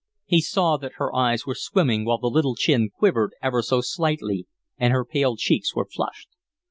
He saw that her eyes were swimming while the little chin quivered ever so slightly and her pale cheeks were flushed.